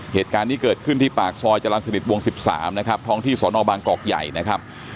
เหตุการณ์นี้เกิดขึ้นที่ปากซอยจรรย์สนิทวง๑๓นะครับท้องที่สอนอบางกอกใหญ่นะครับ